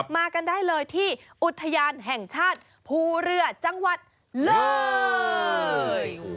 มากันได้เลยที่อุทยานแห่งชาติภูเรือจังหวัดเลย